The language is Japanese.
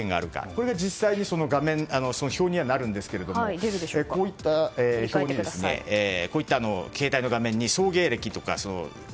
これが実際に表にはなるんですがこういった携帯の画面に送迎歴とか。